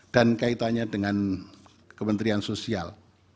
dan kaitannya dengan kementerian sosial